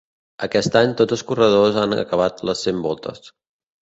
Aquest any, tots els corredors han acabat les cent voltes.